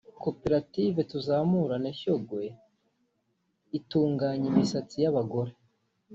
Koperative ‘Tuzamurane Shyogwe’ itunganya imisatsi y’abagore